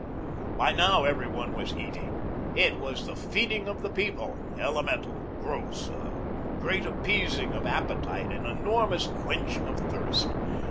By now everyone was eating. It was the feeding of the People, elemental, gross, a great appeasing of appetite, an enormous quenching of thirst.